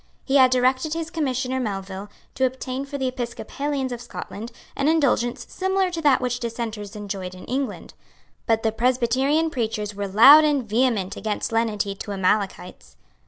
He had directed his Commissioner Melville to obtain for the Episcopalians of Scotland an indulgence similar to that which Dissenters enjoyed in England. But the Presbyterian preachers were loud and vehement against lenity to Amalekites.